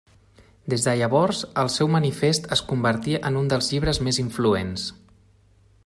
Des de llavors, el seu manifest es convertí en un dels llibres més influents.